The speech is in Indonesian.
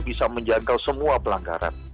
bisa menjangkau semua pelanggaran